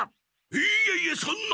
いえいえそんな。